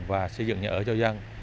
và xây dựng nhà ở cho dân